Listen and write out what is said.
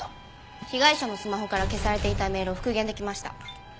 被害者のスマホから消されていたメールを復元出来ました。